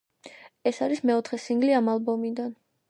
ეს არის მეოთხე სინგლი ამ ალბომიდან.